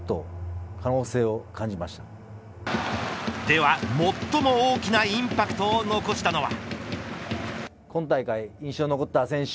では、最も大きなインパクトを残したのは。